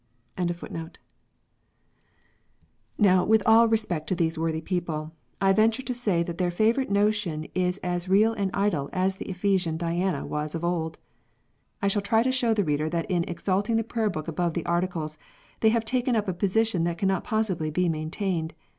* ISTow, with all respect to these worthy people, I venture to say that their favourite notion is as real an idol as the Ephesian " Diana " was of old. I shall try to show the reader that in exalting the Prayer book above the Articles, they have taken up a position that cannot possibly be maintained.